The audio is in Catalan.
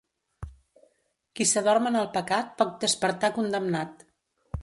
Qui s'adorm en el pecat pot despertar condemnat.